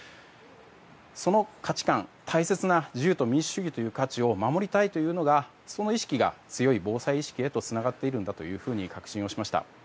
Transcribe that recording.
その価値観、大切な自由と民主主義という価値を守りたいというのがその意識が、強い防災意識へとつながっているのだと確信をしました。